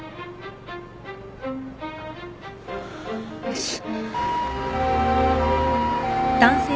よし。